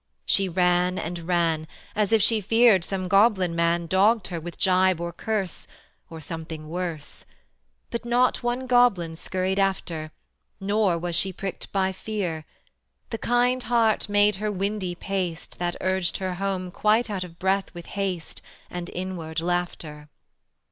She ran and ran As if she feared some goblin man Dogged her with gibe or curse Or something worse: But not one goblin skurried after, Nor was she pricked by fear; The kind heart made her windy paced That urged her home quite out of breath with haste And inward laughter.